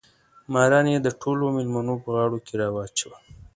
ماران یې د ټولو مېلمنو په غاړو کې راچول.